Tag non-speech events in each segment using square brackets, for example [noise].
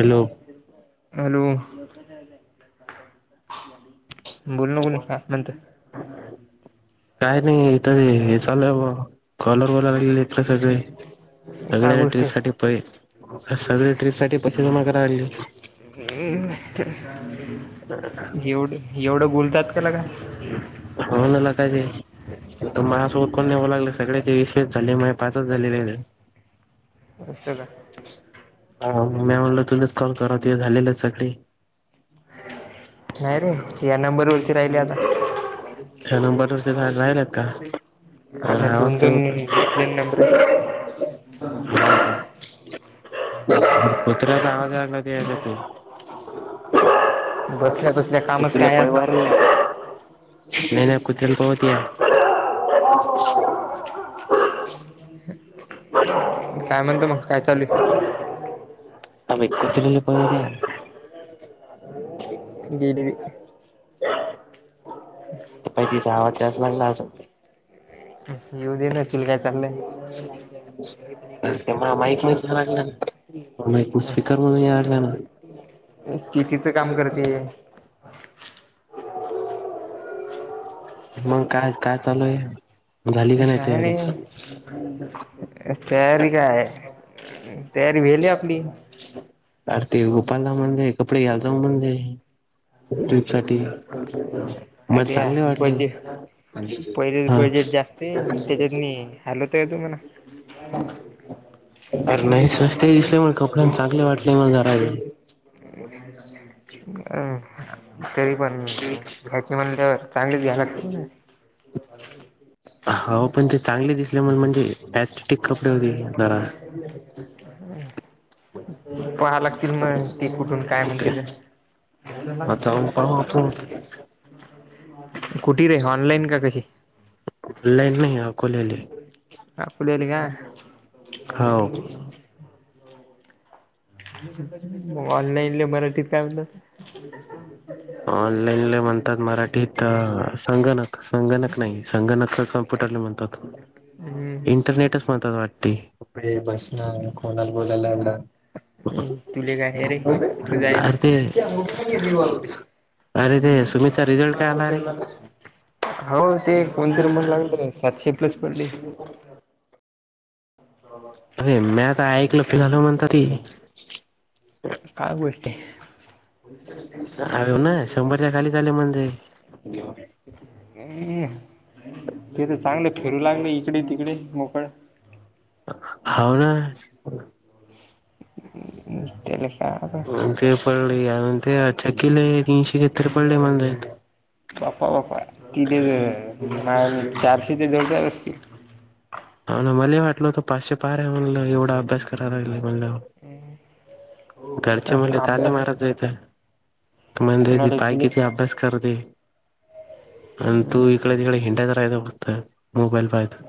Hello. Hello बोल नकोणी काय म्हणत. काय नाही तरी हे चालूय म कॉलर वॉलर आलेले इथले सगळे काय सगळे गोष्ट टी साठी प सगळी ट्र्रीप साठी पसे जमा करा हली. एवढ एवढं बोलतात का ल का. होनला काजे म असं उतकून नऊ लागले सग्या ते वसेच झाले पाच झाले र. बशला. हो मी म्हणलं तुलाच कॉल करा त झालेलं सगळी नाही रे या नंबरवररची राहिली आता ह नंबर वरष सा राहिलात का तर हवाज होत. तंतर कुत्र्याचा आवाजार न याच तू बसल्या तसल्या कामच कुत्र्याला टार पळवार नाही नाही ख दिन ब होत. तर ब. काय म्हणत मग काय चालूल आम एकूच ल पार्या [unintelligible] गली. ते पाहि तिचा हवाज जाच लागला असं. येऊ दे नतील काय चाललंय. म माईक म लागला ना माईक स्पीकर मधून लागला ना. ह. कितीचं काम करते. मग काय काय चालू आहे झाली का नाही काय तयारी. नाही तयारी काय तयारी वेली आपली. कारतीिक गोपालला म्हणज कपडे घाल जा म्हणज. ट्रविप सा. अध्या बजेट पहिलेच हा बजेट जास्त त्याच्यात नाही. हॅलो ते तो म ना. अरे नाही स्वस्त दिसले मग कपड्यां चांगले वाटले मग जरा. हो. अ. तरी पण घ्याची म्हणल्यावर चांगलीच घ्यायला लाग. झा. हो पण ते चांगले दिसले म म्हणजे पॅस्टिटिक कपडे होते जरा हम. पहा लागतील मग ते कुठून काय म्हणते ते. जाऊन पाहू आपण कुटी रेऑलाईन का कशी. लाईन नाही आ कलेली. अ पुढल का. हो मग ऑनलाईन ल मराठीत काय म्हलं. ऑनलाईनले म्हणतात मराठी तर संगणक संगणक नाही संगणक कम्प्युटरला म्हणतात. ह. हम्म इंटरनेटच महत् वाटते कपडे बसणं कोोनाला बोलायला ला. तुले काय हे रे तुझं आहे ना र ते. अरे ते सुमित चा रिझल्ट काय आला रे. हो ते कोणती रुमला लागलं सातशे प्लस पडली. अरे मी आता ऐकलं फिनल म्हणत ती. काय गोष्ट आहे. अ ना शंभरच्या खाली ले म्हणजे. आहे ते तर चांगले फिरू लागले इकडे तिकडे मोकळ. होव ना. ह. म्ह ते पडलेण ते अच्याकिले तीनशे घतरी पडले म्हणज. वापाा वापाा. तिथ मा म चारशेच्या जोडदार असतील. हा ना मला वाटलं होत पाचशे पहार आहे म्हणलं एवढा अभ्यास करायला ला म्हणलं ह घरचे मुले तने मारत राेत म्हण कोणाला पाय तुले किती अभ्यास करते. अ तु हम्म. इकडे तकडे हंड्या तरा बघत मोबाईल बायत.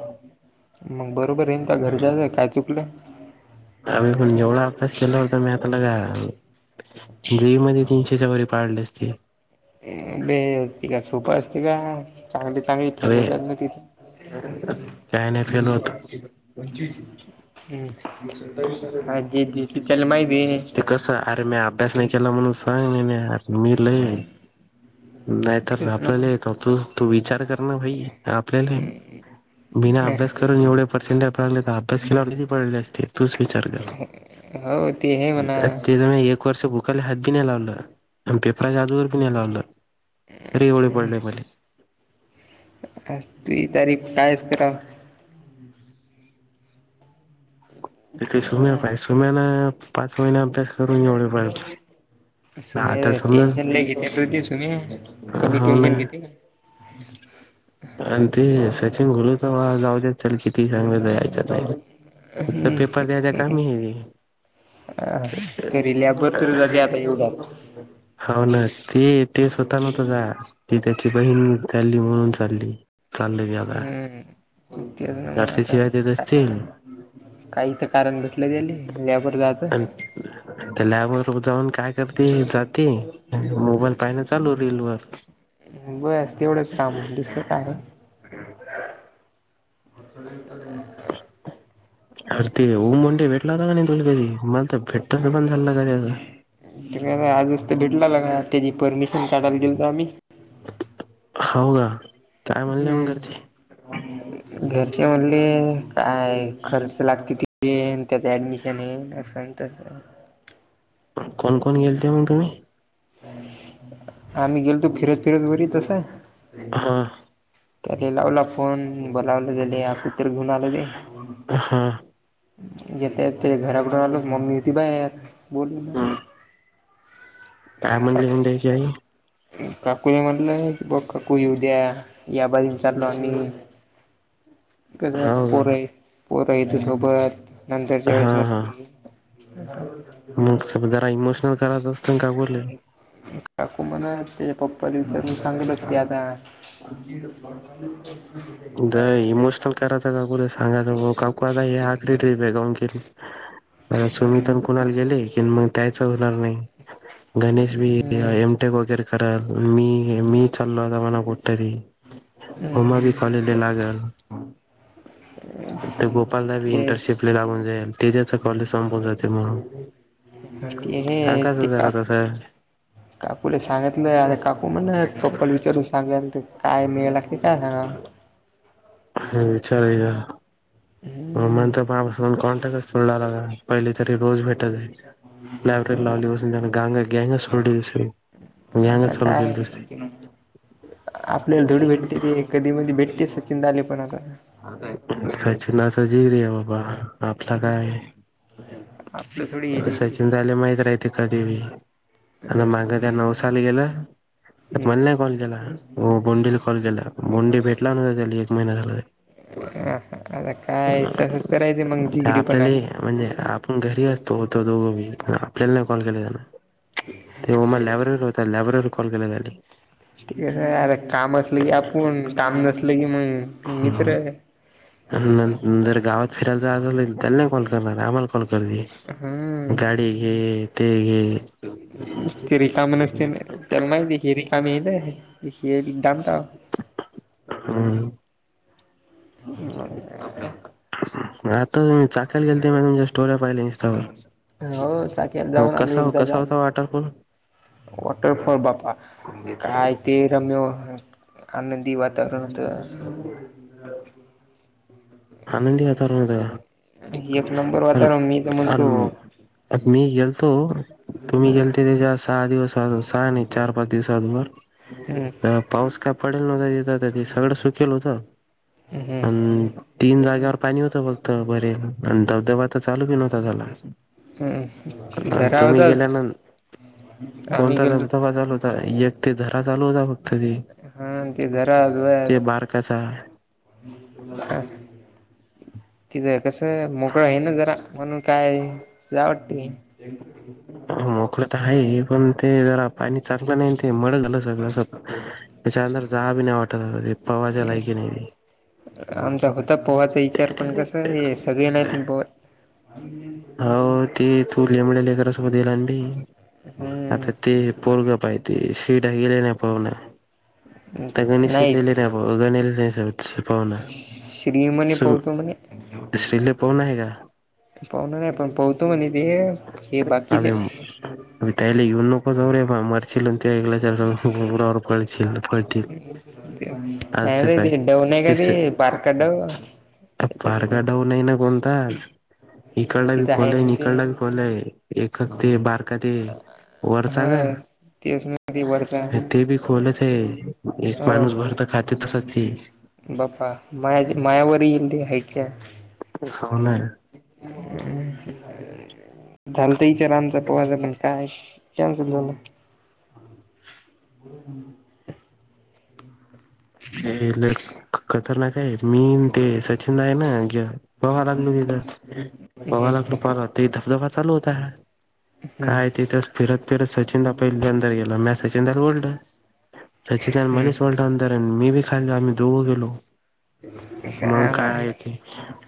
मग बरोबर येईन का घरच्याच आहे काय चुकलं. आम्ही पण जवढा अभ्यास केला होता मी आला ग. दवी मध्ये तीनशेच्या वरी पाळले अस ते. बेका सूपर असते का. चांगली चांगली अरे फेमतात ना तिथे. काय नाही फेल होतो ह अदी चल माही बहीने. कस अरे मी अभ्यास नाही केला म्हणून सांग नर मी लय नाही तर तेच ना मग आपल्याला आहे तू तू विचार कर ना भाई आपल्याला आहे मीना अं, अभ्यास करून एवढे पर्सेंटेजगले तर अभ्यास केलावरी पडले असते तूच विचार कर हो ते आहे म्हणा प्रक्ते त एक बूक वर्ष बुकली हद्दी दिन लावलं पेपरज वर बी नाही लावललं रे एओढ पडले मला अ तुही तारीख कायच कराव तथ ते सुम्या पाहि का सोम्याना पाच महिना अभ्यास करून एवढे पाहिज सुमह टेन्शनला घेते रुध सुमह कमी हो ना टेन्शन घेते का आणि ते सचिन घोल तर जाऊच्यात ल किती सांग ऐक फत पेपर द्यायचा कामी आहे र करल्या बरतरी जा आता एवढा हो ना ते ते स्वतः नव्हत का ती त्याची बहीण झाली म्हणून चाली कालेला हम्म. तेच ना मग चसे आता शिवाय तेेत असतील का- काही तर कारण भेटलं गेले यावर जायचं ह त्या लॅबवरर जाऊन काय करते जाते मोबाईल पाहिला चालू रेल वर बस तेवढंच काम दुसरं काय आहे हम हसल त अर ते उ म्हंट भेटला होता का नाही तुला कधी भेटता पण झाला कधता आजच तर भेटला लागणार त्याची परमिशन काढायला गेलो आम्ही हाव ना काय म्हणले मग हम्म घरचे घरचे म्हधले काय खर्च लागते किती आणि त्याचं ऍडमिशन आहे न कोण कोण गेलते मग तुम्ही आम्ही गेलतो फिरत फिरत वर तस हा त्याला लावला कोण बोलावलं गेले कुतर घेऊन आलं ते हा येता येता घराकडून आलो मम्मी होती बाहेर बोलून का म्हणल त्याची आई काकू हे म्हटलं की बघ काकू येऊ द्या या बाजून विचारलो आणि कसे हो पोरं का पोरं इथ सोबत नंतरच्या हा वेळेस हा नसती मग स जरा इमोशनल करायचं असत काय बोले काकू म्हणा ते पप्पाला विचारून सांगलं ती आता [inaudible] द इमोशनल करायचा काकूला सांगा काकू आता हे आखरी टेक्स्ट आहे जाऊन केली सुमी तेन पूण्याला गेले की मग त्यायच होणार नाही गणेश बी हम्म एमटेक वगैरे रा मी मी चालोलो म्हणा कुठं तरी हो मग हम्म ते ते गोपालदावी ते इंटर्नशिप ला लागून जाईल ते त्याच कॉलेज संपून जाते म्हणून हे सांग ते जरा काकू तसं काकूला सांगितलं आणि काकू म्हण ना पप्पल विचारून सांगेल ते काय मेळ ला ते काय सांगा हम् विचारूया हो हम्म मण त मापासून कॉन्टॅक्ट तुलाला पहिली तरी रोज भेटत जाई लायब्ररी लावली पासून त्यांना [inaudible] आता काय आपल्याला थोडी भेटते ते कधी मधी भेटते सचिन द आले पण आता सचिनाचा जिगरी आहे बाबा आपला काय आपलं थोडी आहे जिगरी सचिन झाले माहिती राहते का कधी बि आणि हम्म मागं का नऊ साली गेलं तर म्हण नाही कॉल केला हो बोंडीला कॉल गेला बोंडी भेटला ना त्या एक महिना झाला हा आता काय पण मग तसंच करायचं जिगरी पण आपल्याला म्हणजे पण घरी असतो तो दोघं बी आपल्याला नाही कॉल केला त्यानं ते मला लॅब्ररीवर होता लॅब्ररीवर कॉल केला त्यानी ठीक हाय अर काम असलं की आपण काम नसल की मग मित्र. न जर गावात फिरायलाच जायचं असलं त्याला नाही कॉल करणार आम्हाला कॉल करते. हम् गाडी घे ते घे. ते रिकाम नसते रे त्याला नाही रिकामं हेय ना त्याला दावतॊ हम् ह आता चाकाण गेल ते म तुम्या स्टोर्या पाहिले इन्स्टावर हो चाकण जाऊन आलो एकदा जाल होता वाटरपूल वॉटरफॉल बापा काय ते रम्य आनंदी वात वातावरण होतं आनंदी वातावरण एक नंबर वातावरण मी तर म्हणतो मी गेलतो तुम्ही हम्म गेलते त्याच्या सहा दिवस आज सहा नाही चार पाच दिवस आज मग हम् पाऊस काय पडेल नव्हता तथ सगळं सुकेल होतं. हम अन हम तीन जाग्यावर पाणी होतं फक्त बरे आणि धबधबा तर चालू बी नव्हता झाला हम्म आणि झरा तुम्ही होता गेल्यानंत आम्ही कोणता गेलतो धबधबा चालू होता. ता एक ते झरा चाल होता. फक्त ते हा ते जरा वयात ते बारकाचा [unintelligible] किझ कसं मोकळं आहे ना जरा म्हणून काय जावा वाटते की मोकळ तर आहे पण ते जरा पाणी चाकलं नाही ते मळ झालं सगळं. त्याच्यानंतर जावी नाही वाटत पवायच्या हम् लायकी नाही ते आमचा होता पोहाचा विचार पण कसा हे. सगळे ये ना पोत आणि हो ते तूरलेमुळे लेकरसोबत येईलांडी हम्म आता ते पोरग पाहिती शिवडा गेले नाही पहण आ नाही गणेशेतलेले नाही गणले नाही. अचछ पावना श्री म्हणे स पोहतो म्हणे. सले ल पावना आहे का. पाहण नाही पण पाहतो म्हणे ते हे आणि बाकीचे अ तयला इवन नकोतवे मरचिलंत कळल अस नाही रे बाय ते डव नाही का तेस ते बारका डव तर त्याच्यात पार गाडाऊन आहे ना कोणताच इकडला बी तिथं खोला ना आहे ते इकडला बी खलय एक ते बारका ते वरचा ग ती असना ती वरता खोलत आहे एक माणूस भर तर खात तस बापा मा मायावरींद हकय खा ना नाही झालत इचार आमचा पवाज पण काय. कॅन्सल झालं. [inaudible] हे लय खतरनाक आहे मी ते सचिन आहे ना गे पहावा लागल त हम्म पवा लागलो पला होत धबधबा चालू होता ह. हम्म काय तिथच फिरत फिरत सचिनला पहिल्या अंदर गेल म्या सचिनला ओडलं. [inaudible] हम्म मग काय आहे ते.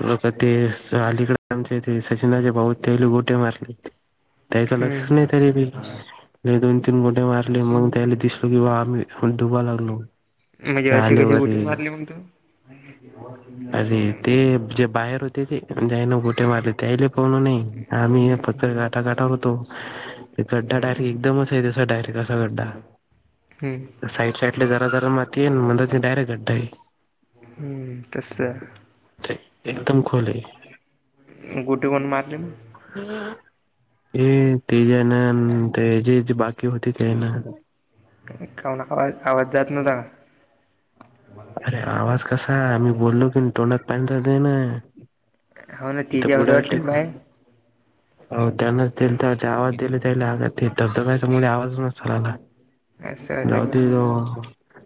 लोक ते अलीकडे आमचे सचिनाचे भाऊ तेले गोटे मारले. त्याच लक्षच हम्म नाही. दोन तीन गुटे मारले मग त्याला दिसलो किं आम्ही डुबा लागलो. म्हणजे ते अशी आले कशी वरे [unintelligible] मारली मगं तू? अरे ते जे बाहेर होते ते ज ना गोठे मारले त्याले पाहण नाही. आम्ही पथर हम्म काठा गाठावर होतो ते गड्डा डायरेट एकदमच आहे तस डायरे [inaudible] हम्म! साईड साईडले जरा जरा माती [inaudible] हम्म तसं. एकदम खोल आहे. गोटे कोण मारली? [inaudible] [unintelligible] आवाज आवाज जात नव्हता का. अरे आवाज कसा आहे मी बोललो की तोंडात पाणी जातंय ना. होा ना ती इथं जे होता बुडाला वाटते टेक ना बाय. हो त्यांनाच दि त्या आवाज दिले त्याला ते धबधबा मूळ आवाज नसल आला. असं असं [inaudible]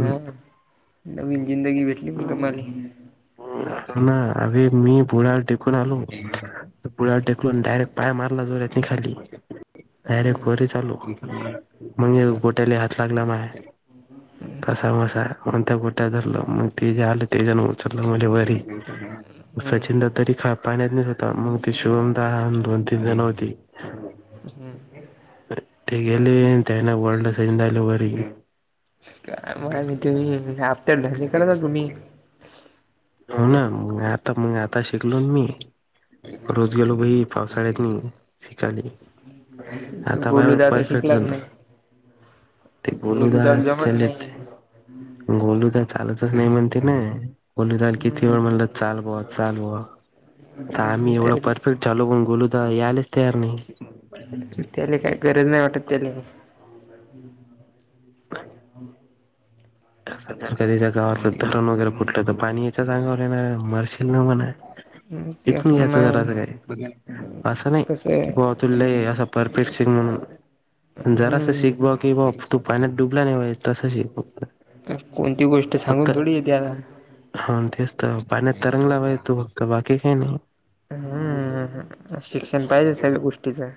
हा नवीन जिंदगी भेटली मगं [inaudible] [inaudible] मी भुळ्यावर टेकून आलो भुळ्यावर टेकलून डायरेक्ट पाय मारला जोरेत नाही खाली. हम्म डायरेक्ट बोटी चालू म्हणजे बोट्याला हात लागला माया. [inaudible] सचिनंद हम्म तरी खा पाण्यात नाहीस होता मग ते शुभम दा दोन तीन जण होती. [inaudible] [inaudible] हो ना मग आता मग आता शिकलो मी. रोज गेलो बही पावसाळ्यात नाही शिकाली. आता गोलू माझ्यावर दादा तर परफेक्ट शिकलाच झालं नाही. [inaudible] गोलू गोलूदा दादा जमत नाही चालतच नाही म्हणते ना. गोलुदाला किती हम्म वेळ म्हणला चाल बाबा चाल बाबा आम्ही त्या एवढं परफेक्ट [unintelligible] गोलू दादा यालेच तयार नाही. त्याला काय गरज नाही वाटत त्याला. [inaudible] [inaudible] कधीच्या गावातलं तटण वगैरे फुटलं तर पाणी याच्या अंगावर येणार मरशील ना म्हणा. तेच शिकून ना घ्यायचं मग जरास काय. असं नाही कसं आहे की बाबा तुला लय असं परफेक्ट शिक म्हणून जरा असं हम्म शिक बा कि बा तू पाण्यात डुबला नाही तसं शिक. कोणती गोष्ट फक्त सांगून थोडी येते आता. हा तेच तर पाण्यात तरंगणार आहे तू फक्त बाकी काही नाही. हम्म शिक्षण पाहिजे सगळ्या गोष्टीचं.